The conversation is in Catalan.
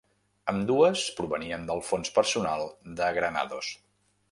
Ambdues provenien del fons personal de Granados.